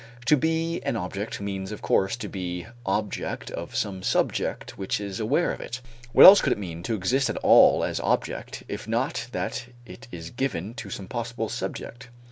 To be an object means of course to be object of some subject which is aware of it. What else could it mean to exist at all as object if not that it is given to some possible subject?